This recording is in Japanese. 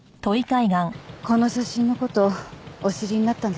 この写真の事お知りになったんですね。